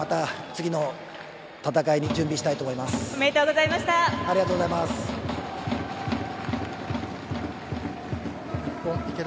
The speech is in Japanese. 次の戦いにおめでとうございました。